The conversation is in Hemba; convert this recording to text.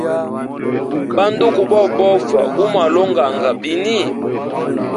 Ba nduku bobe bofa gumwalonganga bini.